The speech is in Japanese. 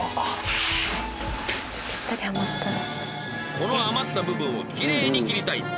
この余った部分をきれいに切りたい。